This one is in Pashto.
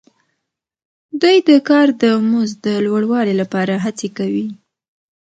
دوی د کار د مزد د لوړوالي لپاره هڅې کوي